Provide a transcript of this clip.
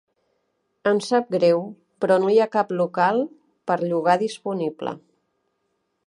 Em sap greu, però no hi ha cap local per llogar disponible.